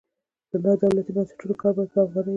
د نادولتي بنسټونو کار باید په افغانیو وي.